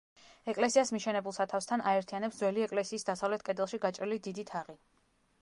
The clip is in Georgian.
ეკლესიას მიშენებულ სათავსთან აერთიანებს ძველი ეკლესიის დასავლეთ კედელში გაჭრილი დიდი თაღი.